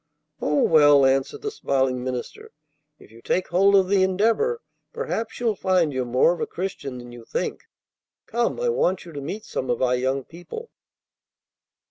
"Oh, well," answered the smiling minister, "if you take hold of the Endeavor, perhaps you'll find you're more of a Christian than you think. Come, I want you to meet some of our young people."